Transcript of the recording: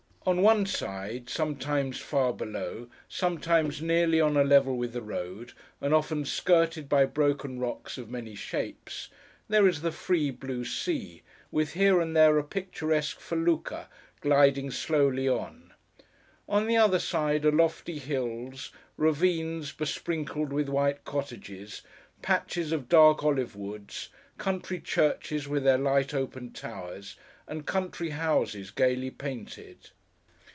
On one side: sometimes far below, sometimes nearly on a level with the road, and often skirted by broken rocks of many shapes: there is the free blue sea, with here and there a picturesque felucca gliding slowly on; on the other side are lofty hills, ravines besprinkled with white cottages, patches of dark olive woods, country churches with their light open towers, and country houses gaily painted.